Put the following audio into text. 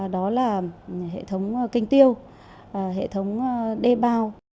đó là hệ thống canh tiêu hệ thống đê bao